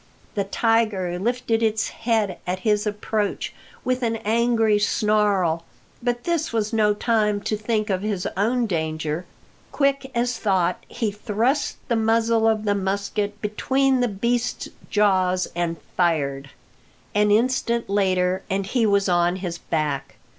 The tiger lifted its head at his approach with an angry snarl, but this was no time to think of his own danger. Quick as thought he thrust the muzzle of the musket between the beast's jaws and fired. An instant later and he was on his back.